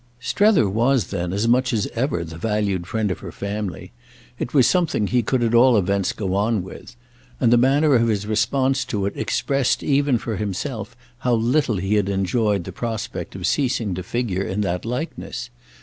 Strether was then as much as ever the valued friend of her family, it was something he could at all events go on with; and the manner of his response to it expressed even for himself how little he had enjoyed the prospect of ceasing to figure in that likeness.